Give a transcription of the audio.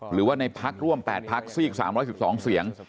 หรือว่าในพักร่วม๘พักซีก๓๑๒เสียง